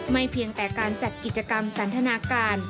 เพียงแต่การจัดกิจกรรมสันทนาการ